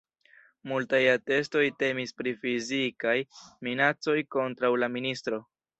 Multaj atestoj temis pri fizikaj minacoj kontraŭ la ministro.